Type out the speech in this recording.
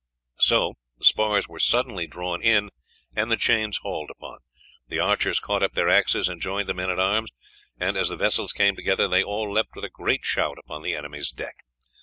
So the spars were suddenly drawn in and the chains hauled upon. The archers caught up their axes and joined the men at arms, and as the vessels came together they all leapt with a great shout upon the enemy's deck.